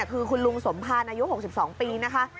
คุณลุงสมพาลอายุ๖๒ปีนะคะ